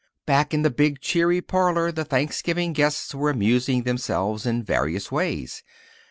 Back in the big, cheery parlour the Thanksgiving guests were amusing themselves in various ways.